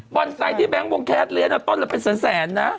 บอนไซด์ที่แบงค์วงแคสเรียนต้นละเป็นแสนนะ